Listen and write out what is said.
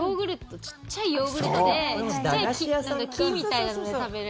ちっちゃいヨーグルトでちっちゃい木みたいなので食べる。